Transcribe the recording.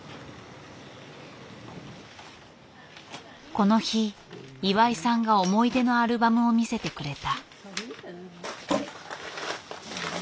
この日岩井さんが思い出のアルバムを見せてくれた。